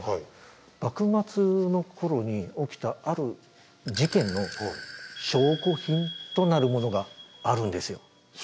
幕末の頃に起きたある事件の証拠品となるものがあるんですよ。